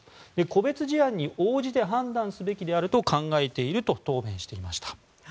個別事案に応じて判断すべきであると考えていると答弁しました。